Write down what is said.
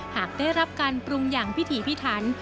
หากได้รับการปรุงอย่างพิถีพิถัน